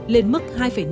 lên mức hai năm ba năm